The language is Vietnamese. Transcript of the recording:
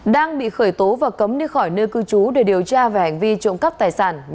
đang bị khởi tố và cấm đi khỏi nơi cư trú để điều tra về hành vi trộm cắp tài sản